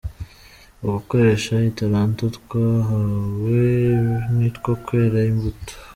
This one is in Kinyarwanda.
Ugukoresha Italanto twahawe nikwo kwera imbuto.